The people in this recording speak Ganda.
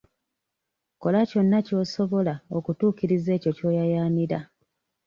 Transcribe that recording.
Kola kyonna ky'osobola okutuukiriza ekyo ky'oyaayaanira.